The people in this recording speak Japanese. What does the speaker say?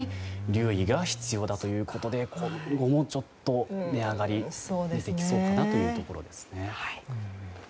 この点に留意が必要だということで今後も値上がりが出てきそうかなというところですね。